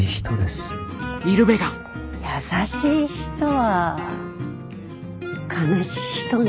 優しい人は悲しい人ね。